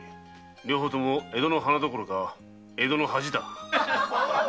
両方とも華どころか江戸の恥だ。